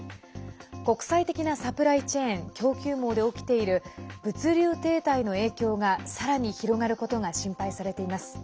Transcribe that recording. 国際的なサプライチェーン供給網で起きている物流停滞の影響がさらに広がることが心配されています。